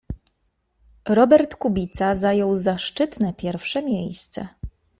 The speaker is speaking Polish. Robert Kubica zajął zaszczytne pierwsze miejsce